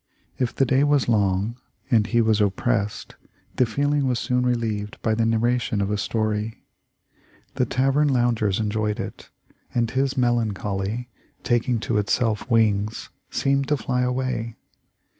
If the day was long and he was * David Davis, MS. 310 THE LIFE OF LINCOLN. oppressed, the feeling was soon relieved by the nar ration of a story. The tavern loungers enjoyed it, and his melancholy, taking to itself wings, seemed to fly away.